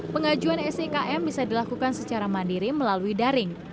pengajuan sikm bisa dilakukan secara mandiri melalui daring